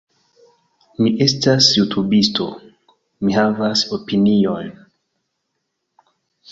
Mi estas jutubisto. Mi havas opinion.